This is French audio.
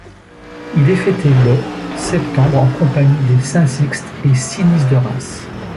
Il est fêté le septembre en compagnie des saints Sixte et Sinice de Reims.